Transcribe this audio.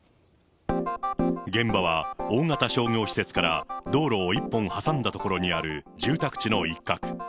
現場は大型商業施設から道路を一本挟んだ所にある住宅地の一角。